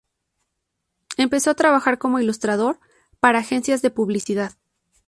Empezó a trabajar como ilustrador para agencias de publicidad.